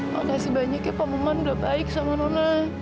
makasih banyak ya pak momen udah baik sama nona